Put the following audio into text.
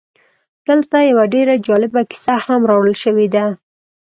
دلته یوه ډېره جالبه کیسه هم راوړل شوې ده